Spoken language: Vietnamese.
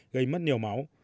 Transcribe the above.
gây mất nhiều máu